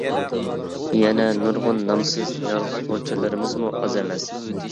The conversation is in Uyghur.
يەنە نۇرغۇن نامسىز يازغۇچىلىرىمىزمۇ ئاز ئەمەس.